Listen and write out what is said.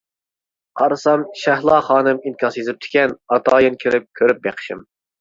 قارىسام شەھلا خانىم ئىنكاس يېزىپتىكەن ئاتايىن كىرىپ كۆرۈپ بېقىشىم.